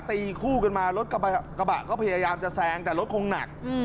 ตีคู่กันมารถกระบะก็พยายามจะแซงแต่รถคงหนัก